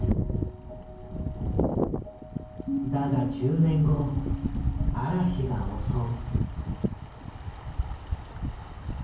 だが１０年後嵐が襲う。